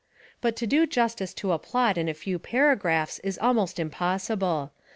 But to do justice to a plot in a few paragraphs is almost impossible.